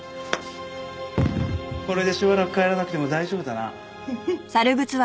これでしばらく帰らなくても大丈夫だな。